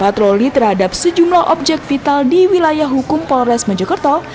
patroli terhadap sejumlah objek vital di wilayah hukum polres mojokerto